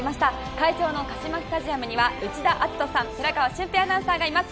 会場のカシマスタジアムには内田篤人さん寺川俊平アナウンサーがいます。